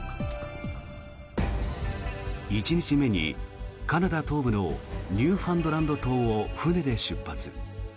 １日目にカナダ東部のニューファンドランド島を船で出発。